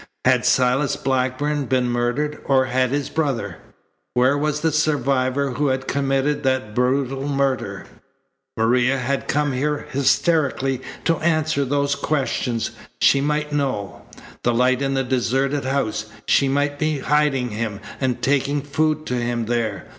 Had Silas Blackburn been murdered or had his brother? Where was the survivor who had committed that brutal murder? Maria had come here hysterically to answer those questions. She might know. The light in the deserted house! She might be hiding him and taking food to him there.